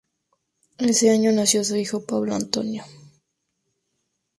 Ese año nació su hijo Pablo Antonio.